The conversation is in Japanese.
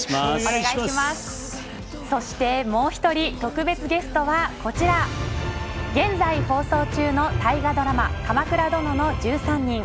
そしてもう一人特別ゲストは現在、放送中の大河ドラマ「鎌倉殿の１３人」